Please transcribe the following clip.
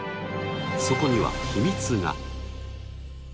そこには秘密が！